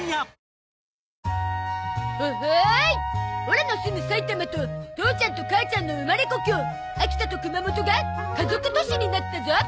オラの住む埼玉と父ちゃんと母ちゃんの生まれ故郷秋田と熊本が家族都市になったゾ。